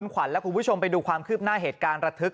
ขวัญและคุณผู้ชมไปดูความคืบหน้าเหตุการณ์ระทึก